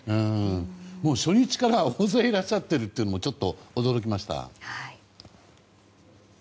もう、初日から大勢いらっしゃっているというのもちょっと驚きました。